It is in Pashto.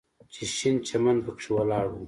چې شين چمن پکښې ولاړ و.